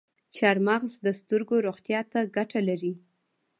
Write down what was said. چارمغز د سترګو روغتیا ته ګټه لري.